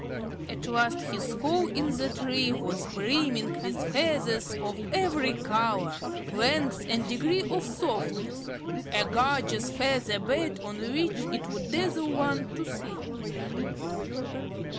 At last his hole in the tree was brimming with feathers of every color, length, and degree of softness, a gorgeous feather bed on which it would dazzle one to sleep.